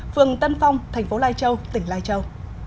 phường tân phong tp lai châu tỉnh lai châu